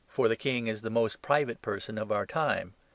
For the king is the most private person of our time.